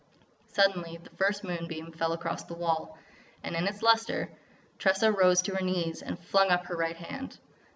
Suddenly the first moonbeam fell across the wall. And in its lustre Tressa rose to her knees and flung up her right hand.